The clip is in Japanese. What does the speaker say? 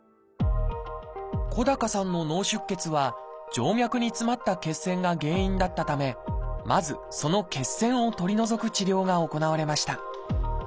小高さんの脳出血は静脈に詰まった血栓が原因だったためまずその血栓を取り除く治療が行われました